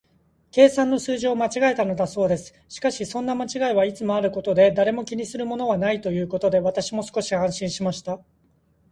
計算の数字を間違えたのだそうです。しかし、そんな間違いはいつもあることで、誰も気にするものはないというので、私も少し安心しました。